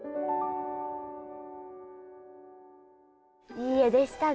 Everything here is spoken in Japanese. いい画でしたね。